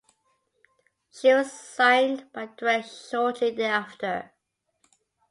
She was signed by Direct shortly thereafter.